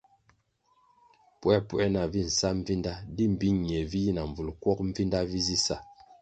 Puēpuē nah vi nsa mbvinda di mbpi nie vi yi na mbvul kwog Mbvinda vi zi sa ?